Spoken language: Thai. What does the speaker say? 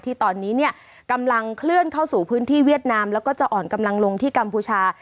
ที่ตอนนี้เนี่ยกำลังเคลื่อนเข้าสู่พื้นที่เวียดนามแล้วก็จะอ่อนกำลังลงที่กัมพูชา